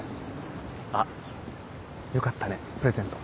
あっよかったねプレゼント。